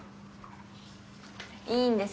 いいんです。